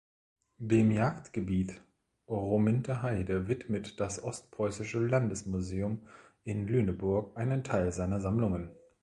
Dem Jagdgebiet Rominter Heide widmet das Ostpreußische Landesmuseum in Lüneburg einen Teil seiner Sammlungen.